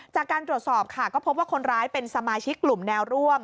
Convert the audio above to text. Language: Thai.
จากการตรวจสอบค่ะก็พบว่าคนร้ายเป็นสมาชิกกลุ่มแนวร่วม